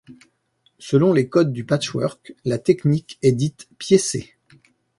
Selon les codes du patchwork, la technique est dite piécée.